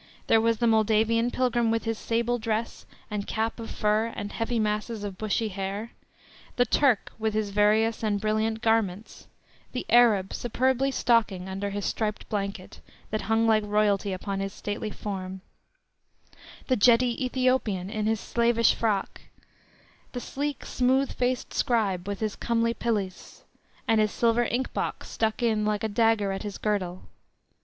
There was the Moldavian pilgrim with his sable dress and cap of fur and heavy masses of bushy hair; the Turk, with his various and brilliant garments; the Arab, superbly stalking under his striped blanket, that hung like royalty upon his stately form; the jetty Ethiopian in his slavish frock; the sleek, smooth faced scribe with his comely pelisse, and his silver ink box stuck in like a dagger at his girdle.